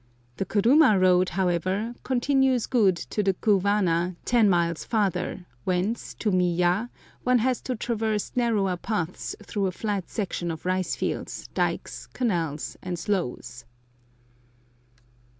The kuruma road, however, continues good to the Ku wana, ten miles farther, whence, to Miya, one has to traverse narrower paths through a flat section of rice fields, dikes, canals, and sloughs.